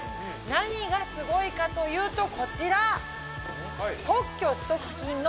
何がすごいかというとこちら！